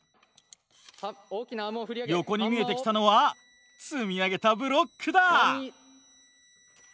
横に見えてきたのは積み上げたブロックだ。